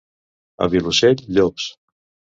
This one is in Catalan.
A Vilosell, llops.